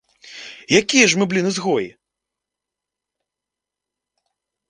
Якія ж мы, блін, ізгоі?